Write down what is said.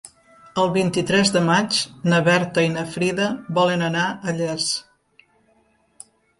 El vint-i-tres de maig na Berta i na Frida volen anar a Llers.